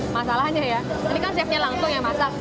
masalahnya ya ini kan chef nya langsung yang masak